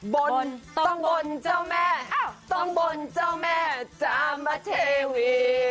บนต้องบนเจ้าแม่ต้องบนเจ้าแม่จามเทวี